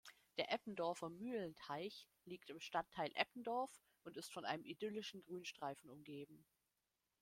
Der Eppendorfer Mühlenteich liegt im Stadtteil Eppendorf und ist von einem idyllischen Grünstreifen umgeben.